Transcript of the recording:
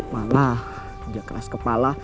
malah dia keras kepala